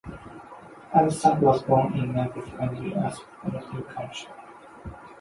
Hardstaff was born in Nuncargate, Kirkby-in-Ashfield, Nottinghamshire.